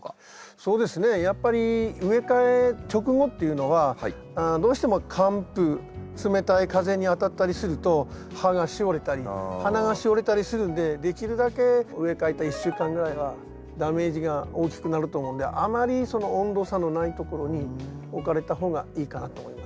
そうですねやっぱり植え替え直後っていうのはどうしても寒風冷たい風に当たったりすると葉がしおれたり花がしおれたりするんでできるだけ植え替えた１週間ぐらいはダメージが大きくなると思うんであまりその温度差のないところに置かれた方がいいかなと思います。